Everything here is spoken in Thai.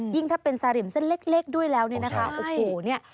ถ้าเป็นสริมเส้นเล็กด้วยแล้วเนี่ยนะคะโอ้โหเนี่ย